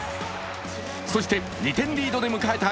そして２点リードで迎えた